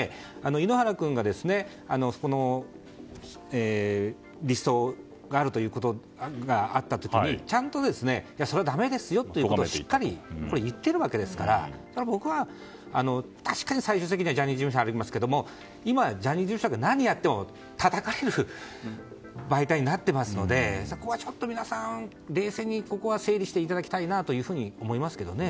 井ノ原君がこのリストがあった時にちゃんと、それはだめですよとしっかり言ってるわけですからこれは僕は、確かに最終的にはジャニーズ事務所が出てきますけども今、ジャニーズ事務所が何やってもたたかれる媒体になってますのでそこは皆さん、冷静にそこは整理していただきたいと思いますね。